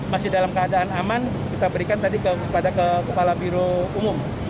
masih dalam keadaan aman kita berikan tadi kepada kepala biro umum